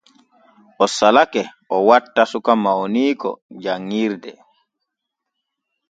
O salake o watta suka mawniiko janŋirde.